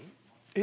え？